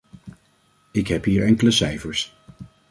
Ik heb hier enkele cijfers.